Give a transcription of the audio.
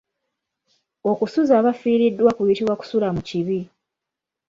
Okusuza abafiiriddwa kuyitibwa Kusula mu kibi.